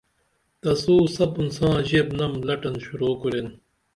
تسو سپُن ساں ژیپنم لٹن شروع کُرین